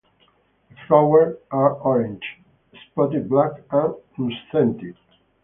The flowers are orange, spotted black, and unscented.